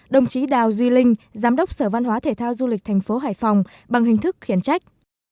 đồng chí đào duy linh giám đốc sở văn hóa thể thao du lịch thành phố hải phòng bằng hình thức khiến trách